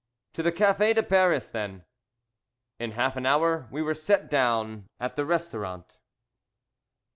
"To the Café de Paris, then." In half an hour we were set down at the restaurant.